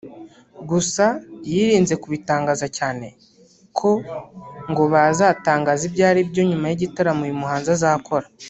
gusa yirinze kubitangaza cyane ko ngo bazatangaza ibyo ari byo nyuma y’igitaramo uyu muhanzi azakora